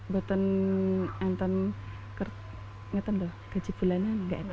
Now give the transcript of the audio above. bukan gaji bulanan tidak ada